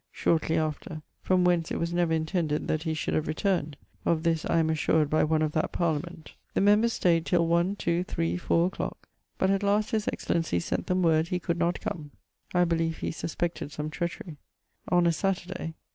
(shortly after); from whence it was never intended that he should have returned (of this I am assured by one of that Parliament). The members stayd till 1, 2, 3, 4 a clock, but at last his excellency sent them word he could not come: I beleeve he suspected some treacherie. [XXIX.] on a Saterday.